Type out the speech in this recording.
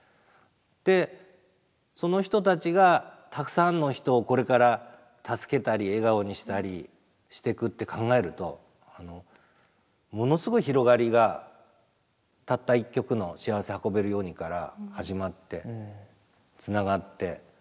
でその人たちがたくさんの人をこれから助けたり笑顔にしたりしてくって考えるとものすごい広がりがたった１曲の「しあわせ運べるように」から始まってつながって。